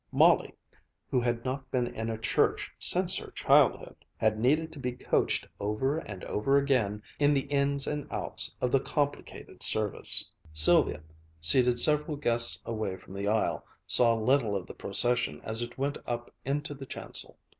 Molly, who had not been in a church since her childhood, had needed to be coached over and over again in the ins and outs of the complicated service. Sylvia, seated several guests away from the aisle, saw little of the procession as it went up into the chancel.